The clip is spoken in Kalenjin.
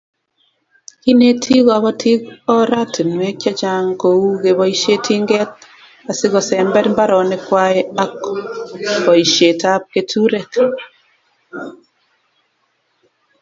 Kineti.kobotik oratinwek chechang kou keboisie tinget asikomber mbaronik kwai ak boisietab keturek